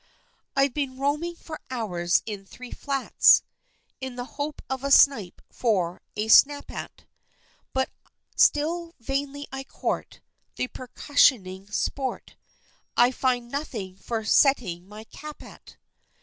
I've been roaming for hours in three flats, In the hope of a snipe for a snap at; But still vainly I court The percussioning sport, I find nothing for "setting my cap at!"